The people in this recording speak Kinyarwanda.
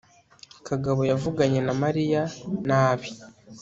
kagabo yavuganye na mariya? nabi